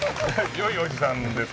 よいおじさんです。